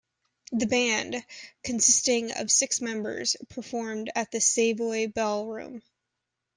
The band, consisting of six members, performed at the Savoy Ballroom.